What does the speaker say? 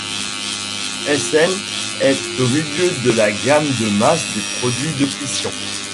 Sn est au milieu de la gamme de masse des produits de fission.